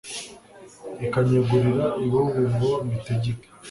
ikanyegurira ibihugu ngo mbitegeke